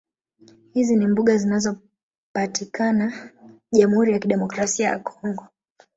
Hizi ni mbuga zinazopatikazna Jamhuri ya Kidemikrasia ya Congo